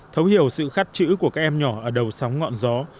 thấu hiểu sự khắt chữ của các em nhỏ ở đầu sóng ngọn gió